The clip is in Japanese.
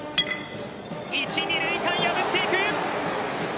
一・二塁間破っていく。